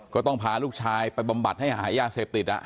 ก็ต้องพาลูกชายไปบำบัดให้หายาเสพติด